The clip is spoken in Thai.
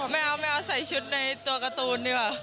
ไม่เอาใส่ชุดในตัวการ์ตูนดีะ